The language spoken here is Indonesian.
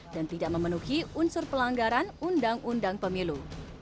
dan tidak memenuhi unsur pelanggaran undang undang pemilu